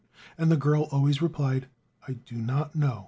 and the girl always replied: "I do not know.